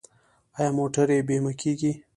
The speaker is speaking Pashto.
آیا موټرې بیمه کیږي؟